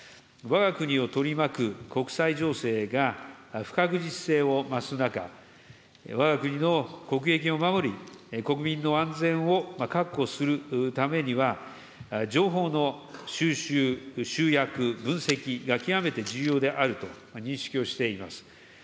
わが国を取り巻く国際情勢が不確実性を増す中、わが国の国益を守り、国民の安全を確保するためには、情報の収集・集約・分析が極めて重要であると認識をしています。